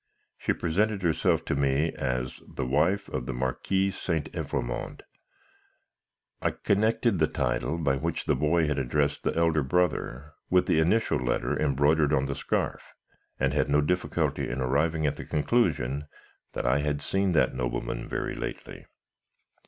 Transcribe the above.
She presented herself to me as the wife of the Marquis St. Evrémonde. I connected the title by which the boy had addressed the elder brother, with the initial letter embroidered on the scarf, and had no difficulty in arriving at the conclusion that I had seen that nobleman very lately.